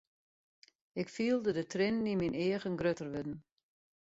Ik fielde de triennen yn myn eagen grutter wurden.